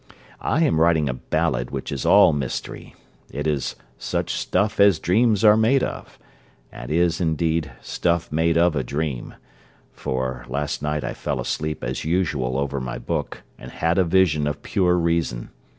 I am writing a ballad which is all mystery; it is 'such stuff as dreams are made of,' and is, indeed, stuff made of a dream; for, last night I fell asleep as usual over my book, and had a vision of pure reason.